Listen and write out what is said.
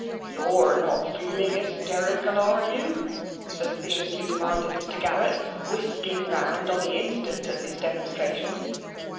You're not feeling hysterical, are you?" suspi ciously demanded Mr. Garrett, whisking round on the instant at this demonstration.